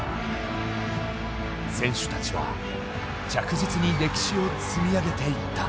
選手たちは着実に歴史を積み上げていった。